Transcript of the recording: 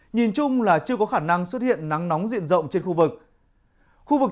nhìn chung là chưa có khả năng xuất hiện nắng nóng diện rộng trên khu vực